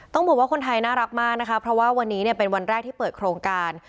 ต้องบอกว่าคนไทยน่ารักมากนะคะเพราะว่าวันนี้เนี่ยเป็นวันแรกที่เปิดโครงการ